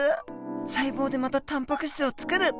細胞でまたタンパク質をつくる。